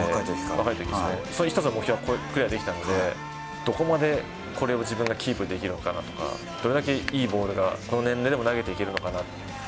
若いときですね、それは一つできたので、どこまでこれを自分がキープできるのかなとか、どれだけいいボールが、この年齢でも投げていけるのかなと。